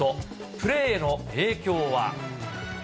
プレーへの影響は？